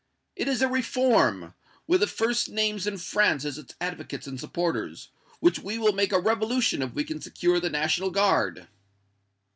It is a reform, with the first names in France as its advocates and supporters, which we will make a revolution if we can secure the National Guard."